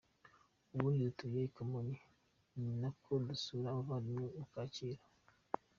Ubundi dutuye ku Kamonyi ni uko naje gusura abavandimwe ku Kacyiru.